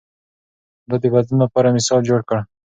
ده د بدلون لپاره مثال جوړ کړ.